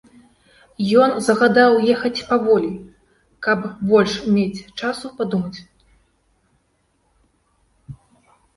Ён загадаў ехаць паволі, каб больш мець часу падумаць.